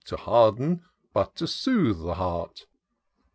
To harden, but to soothe the heart